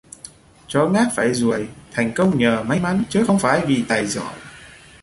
Chó ngáp phải ruồi: thành công nhờ may mắn, chớ không vì tài giỏi